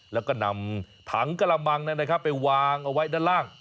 แล้วก็นำถังกระลำมังนั่นนะครับไปวางเอาไว้ด้านล่าง